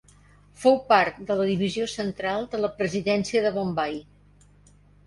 Fou part de la Divisió Central de la presidència de Bombai.